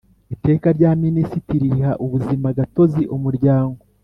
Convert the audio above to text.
Iteka rya Minisitiri riha ubuzimagatozi umuryango